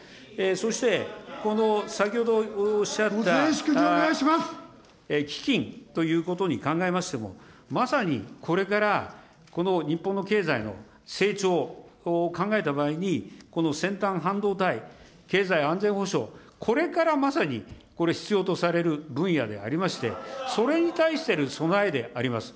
そして、この先ほどおっしゃった基金ということに考えましても、まさにこれから、この日本の経済の成長を考えた場合に、この先端半導体、経済安全保障、これからまさにこれ、必要とされる分野でありまして、それに対する備えであります。